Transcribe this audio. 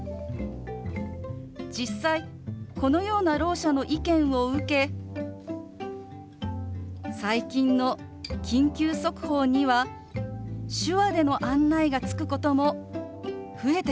実際このようなろう者の意見を受け最近の緊急速報には手話での案内がつくことも増えてきました。